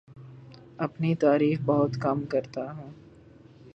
اپنی تعریف بہت کم کرتا ہوں